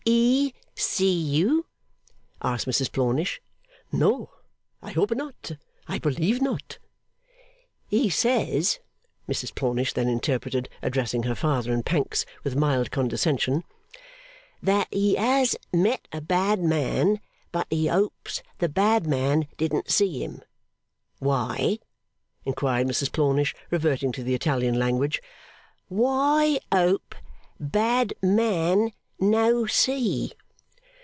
'E see you?' asked Mrs Plornish. 'No. I hope not. I believe not.' 'He says,' Mrs Plornish then interpreted, addressing her father and Pancks with mild condescension, 'that he has met a bad man, but he hopes the bad man didn't see him Why,' inquired Mrs Plornish, reverting to the Italian language, 'why ope bad man no see?